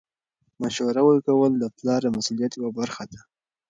مشوره ورکول د پلار د مسؤلیت یوه برخه ده.